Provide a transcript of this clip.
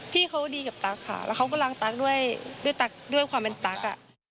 พี่เขาก็ดีกับตั๊กค่ะแล้วเขาก็รังตั๊กด้วยความเป็นตั๊ก